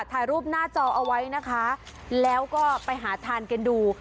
ถ่ายรูปหน้าจอเอาไว้นะคะแล้วก็ไปหาทานกันดู